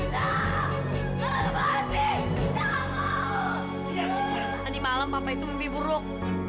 tadi malam papa itu mimpi buruk